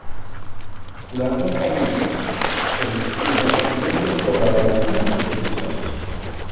Las dos familias se distinguen fácilmente por la venación de sus alas.